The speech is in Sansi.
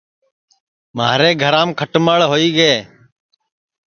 مھارے گھرام کھٹݪ ہوئی گے